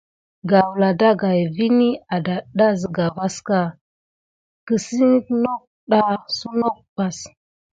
Gawla ɗagaï vini adata sika vaska kisiyeke noke daki sunokbas.